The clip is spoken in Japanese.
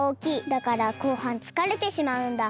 だからこうはんつかれてしまうんだ。